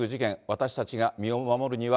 私たちが身を守るには。